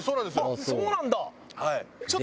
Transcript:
あっそうなんだ。